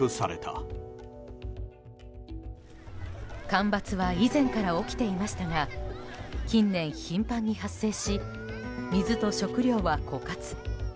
干ばつは以前から起きていましたが近年、頻繁に発生し水と食料は枯渇。